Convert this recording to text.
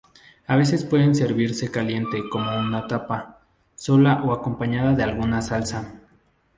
A veces puede servirse caliente como una tapa, sola o acompañada de alguna salsa.